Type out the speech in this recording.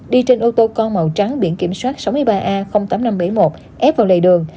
đi trên ô tô con màu trắng biển kiểm soát sáu mươi ba a tám nghìn năm trăm bảy mươi một ép vào lề đường